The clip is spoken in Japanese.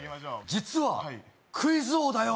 実はクイズ王だよ